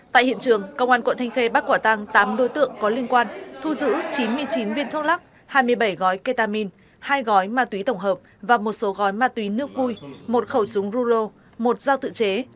tại hiện trường công an quận thanh khê bắt quả tăng tám đối tượng có liên quan thu giữ chín mươi chín viên thuốc lắc hai mươi bảy gói ketamin hai gói ma túy tổng hợp và một số gói ma túy nước vui một khẩu súng rulo một dao tự chế